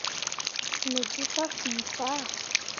Me gi ka fii faa.